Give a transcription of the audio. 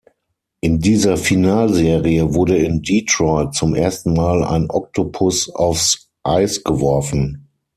In dieser Finalserie wurde in Detroit zum ersten Mal ein Oktopus aufs Eis geworfen.